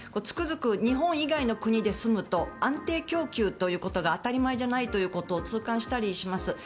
つくづく日本以外の国で住むと安定供給ということが当たり前じゃないということを痛感したりします。